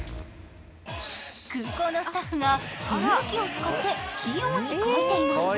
空港のスタッフが噴霧器を使って器用に描いています。